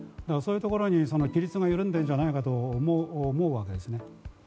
そういうところに規律が緩んでいるんじゃないかと思うわけですね。